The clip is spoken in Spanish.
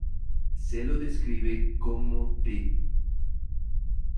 Se lo describe como de